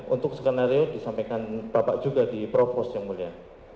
untuk skenario disampaikan bapak juga di provos yang mulia